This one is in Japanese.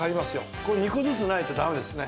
これ２個ずつないとダメですね。